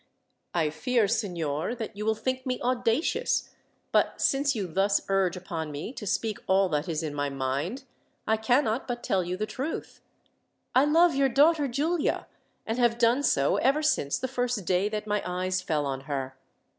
"I fear, signor, that you will think me audacious, but since you thus urge upon me to speak all that is in my mind, I cannot but tell you the truth. I love your daughter, Giulia, and have done so ever since the first day that my eyes fell on her.